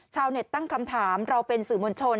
ชาวเน็ตตั้งคำถามเราเป็นสื่อมวลชน